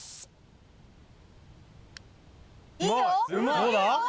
どうだ？